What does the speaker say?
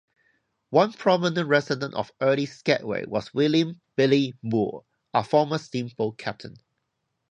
One prominent resident of early Skagway was William "Billy" Moore, a former steamboat captain.